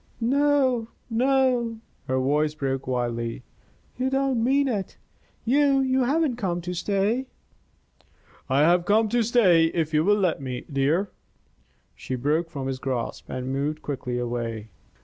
"No, no!" Her voice broke wildly. "You don't mean it. You you haven't come to stay." "I have come to stay if you will let me, dear." She broke from his grasp and moved quickly away.